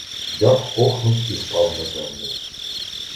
Дяк охнув і впав на землю.